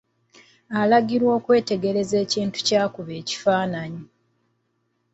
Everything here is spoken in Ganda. Alagirwa okwetegereza ekintu ky'akuba ekifaananyi.